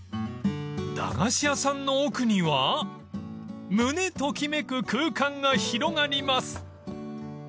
［駄菓子屋さんの奥には胸ときめく空間が広がります］